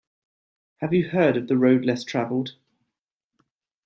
Have you heard of The Road Less Travelled?